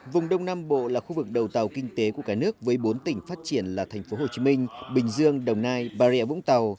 vùng đông nam bộ là khu vực đầu tàu kinh tế của cả nước với bốn tỉnh phát triển là tp hcm bình dương đồng nai bà rẹ vũng tàu